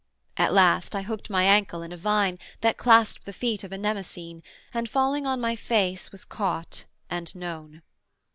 At last I hooked my ankle in a vine, That claspt the feet of a Mnemosyne, And falling on my face was caught and known.